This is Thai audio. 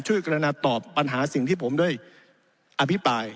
ช่วยกรรณาตอบปัญหาสิ่งที่ผมด้วยอภิปราย